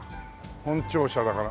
本庁舎だから。